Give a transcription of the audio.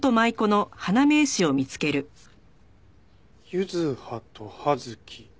「柚葉」と「葉月」。